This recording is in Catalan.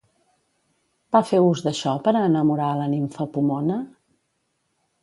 Va fer ús d'això per a enamorar a la nimfa Pomona?